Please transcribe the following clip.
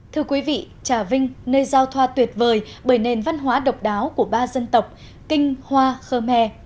thưa quý vị trà vinh nơi giao thoa tuyệt vời bởi nền văn hóa độc đáo của ba dân tộc kinh hoa khơ me